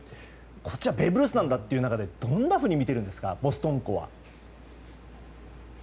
こっちはベーブ・ルースという中でどんなふうに見ていますかボストンっ子は。